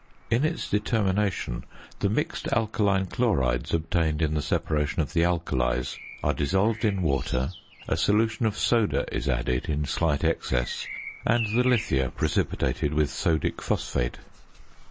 In its determination the mixed alkaline chlorides obtained in the separation of the alkalies are dissolved in water, a solution of soda is added in slight excess, and the lithia precipitated with sodic phosphate.